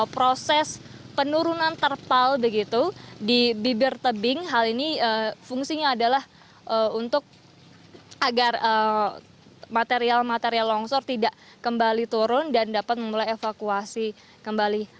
proses penurunan terpal begitu di bibir tebing hal ini fungsinya adalah untuk agar material material longsor tidak kembali turun dan dapat memulai evakuasi kembali